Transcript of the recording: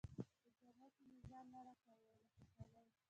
په جامو کې مې ځای نه راکاوه له خوشالۍ.